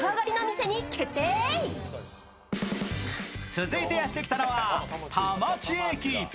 続いてやって来たのは田町駅。